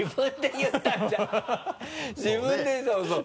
自分でそうそう。